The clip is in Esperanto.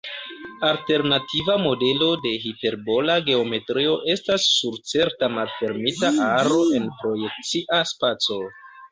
Alternativa modelo de hiperbola geometrio estas sur certa malfermita aro en projekcia spaco.